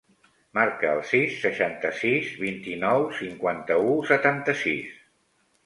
Marca el sis, seixanta-sis, vint-i-nou, cinquanta-u, setanta-sis.